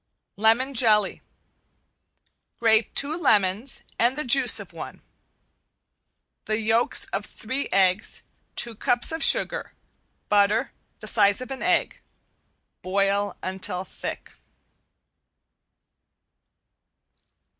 ~LEMON JELLY~ Grate two lemons and the juice of one. The yolks of three eggs, two cups of sugar. Butter, the size of an egg. Boil until thick.